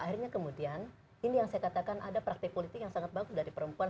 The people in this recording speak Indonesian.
akhirnya kemudian ini yang saya katakan ada praktik politik yang sangat bagus dari perempuan